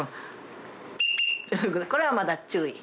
これはまだ注意。